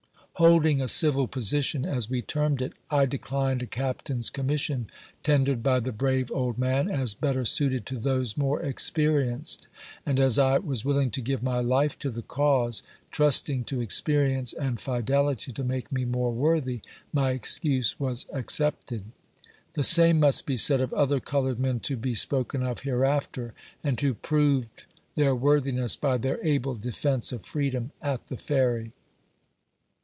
Holding a civil position, as we termed it, I declined a captain's commission tendered by the brave old man, as better suited to those more experienced ; and as I was willing to give my life to the cause, trusting to experi ence and fidelity to make me more worthy, my excuse was accepted. The same must be said of other colored men to be spoken of her eafter, and who proved their worthiness by their able defence of freedom at the Ferry.